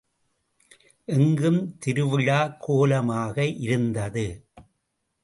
எங்கும் திருவிழாக் கோலமாக இருந்தது.